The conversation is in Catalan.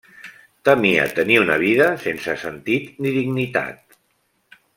Temia tenir una vida sense sentit ni dignitat.